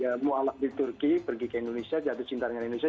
ya muwalaf di turki pergi ke indonesia jatuh cinta dengan indonesia